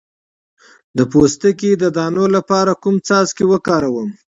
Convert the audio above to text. د پوستکي د دانو لپاره کوم څاڅکي وکاروم؟